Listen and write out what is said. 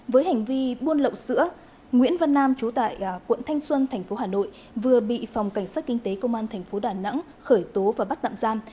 với hành vi buôn lậu sữa nguyễn văn nam trú tại quận thanh xuân thành phố hà nội vừa bị phòng cảnh sát kinh tế công an thành phố đà nẵng khởi tố và bắt nạm giam